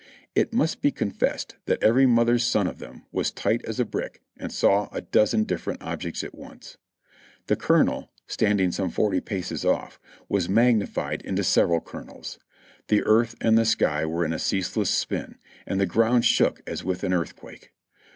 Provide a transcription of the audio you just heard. It must be confessed that every mother's son of them was tight as a brick and saw a dozen differ ent objects at once. The colonel, standing some forty paces off, was magnified into several colonels ; the earth and the sky were in a ceaseless spin, and the ground shook as with an earthquake.